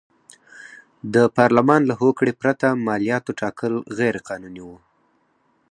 د پارلمان له هوکړې پرته مالیاتو ټاکل غیر قانوني و.